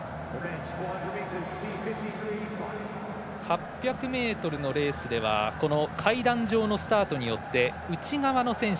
８００ｍのレースでは階段状のスタートによって内側の選手